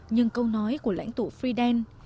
nhưng câu nói của lãnh tụ fidel